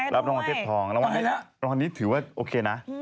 รับรางวัลเทพทองระวังตอนนี้ถือว่าโอเคนะ